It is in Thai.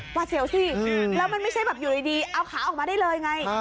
วาดเสียวสิแล้วมันไม่ใช่แบบอยู่ดีเอาขาออกมาได้เลยไง